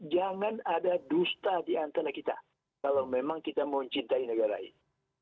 jangan ada dusta diantara kita kalau memang kita mau mencintai negara ini